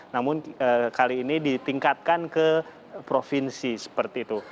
namun kali ini ditingkatkan ke provinsi seperti itu